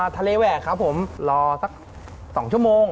แหวกครับผมรอสัก๒ชั่วโมง